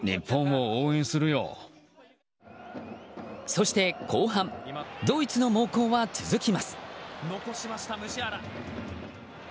そして、後半ドイツの猛攻は続きます。